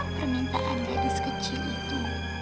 permintaan gadis kecil itu